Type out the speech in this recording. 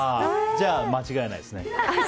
じゃあ間違えないですね。